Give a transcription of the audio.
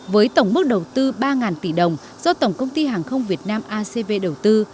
với tổng mức đầu tư ba tỷ đồng do tổng công ty hàng không việt nam acv đầu tư